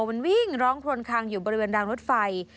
มันวิ่งร้องครวนคางอยู่บริเวณรางรถไฟ